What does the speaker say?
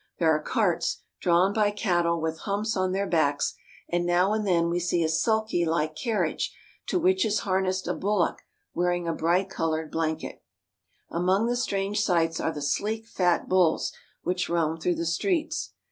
There are carts, drawn by cattle with humps 252 THE CITIES OF INDIA on their backs, and now and then we see a sulky like car riage to which is harnessed a bullock wearing a bright colored blanket. Among the strange sights are the sleek, fat bulls which roam through the streets.